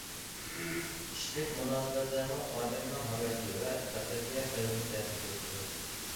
كىشىلىك مۇناسىۋەتلەرمۇ ئادەمنىڭ ھاياتى ۋە تەقدىرىگە بەلگىلىك تەسىر كۆرسىتىدۇ.